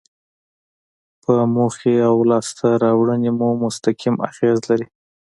په موخې او لاسته راوړنې مو مستقیم اغیز لري.